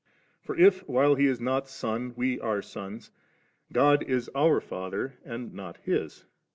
23. For if, while He is not Son, we are sons, God is our Father and not His.